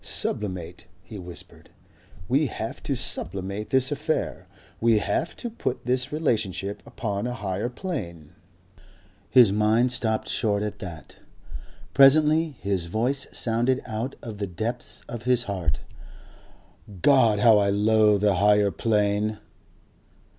"Sublimate," he whispered. "We have to sublimate this affair. We have to put this relationship upon a Higher Plane." His mind stopped short at that. Presently his voice sounded out of the depths of his heart. "God! How I loathe the Higher Plane!....